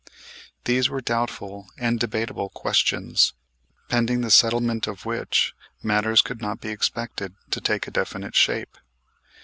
These were doubtful and debatable questions, pending the settlement of which matters could not be expected to take a definite shape.